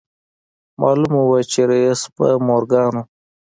معلومه وه چې رييس به مورګان و.